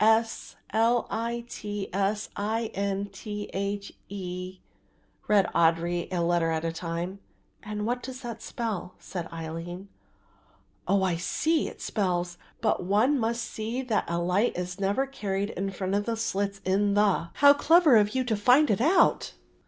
s. l. i. t. s. i. n. t. h. e.," read Audry, a letter at a time. "And what does that spell?" said Aline. "Oh, I see, It spells, 'but one must see that a light is never carried in front of the slits in the.' How clever of you to find it out!"